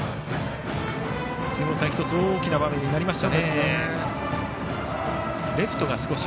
１つ大きな場面になりました。